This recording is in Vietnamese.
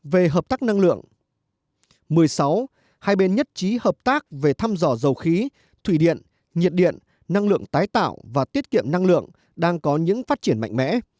về hợp tác năng lượng một mươi sáu hai bên nhất trí hợp tác về thăm dò dầu khí thủy điện nhiệt điện năng lượng tái tạo và tiết kiệm năng lượng đang có những phát triển mạnh mẽ